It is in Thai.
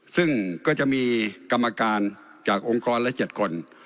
ซึ่งก็จะมีกรรมการจากองค์กรและ๗คน